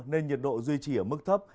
nên nhiệt độ duy trì ở mức thấp